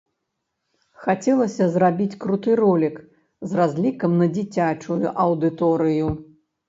Хацелася зрабіць круты ролік з разлікам на дзіцячую аўдыторыю.